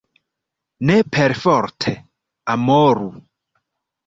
Ne perforte amoru!